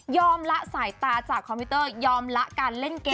ละสายตาจากคอมพิวเตอร์ยอมละการเล่นเกม